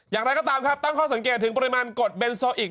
อย่างไรก็ตามครับตั้งข้อสังเกตถึงปริมาณกฎเบนโซอีก